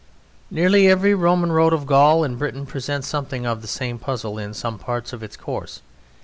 Nearly every Roman road of Gaul and Britain presents something of the same puzzle in some parts of its course.